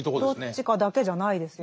どっちかだけじゃないですよね。